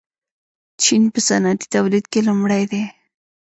چین په صنعتي تولید کې لومړی دی.